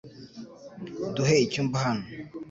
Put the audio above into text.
Duhe icyumba hano .